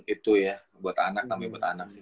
itu ya buat anak namanya buat anak sih